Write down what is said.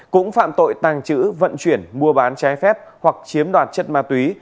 cũng phạm tội tàng trữ vận chuyển mua bán trái phép hoặc chiếm đoạt chất ma túy